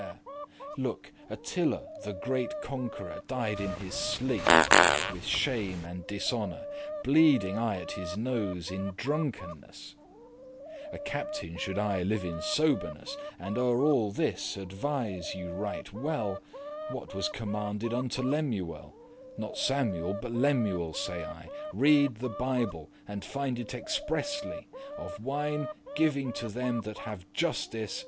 * *learn Look, Attila, the greate conqueror, Died in his sleep, <19> with shame and dishonour, Bleeding aye at his nose in drunkenness: A captain should aye live in soberness And o'er all this, advise* you right well *consider, bethink What was commanded unto Lemuel; <20> Not Samuel, but Lemuel, say I. Reade the Bible, and find it expressly Of wine giving to them that have justice.